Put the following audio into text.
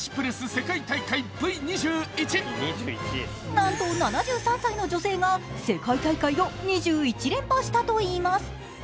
なんと７３歳の女性が世界大会を２１連覇したといいます。